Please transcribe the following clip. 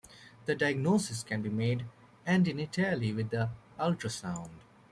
The diagnosis can be made antenatally with ultrasound.